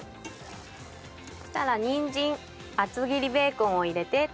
そしたらにんじん厚切りベーコンを入れて炊きます。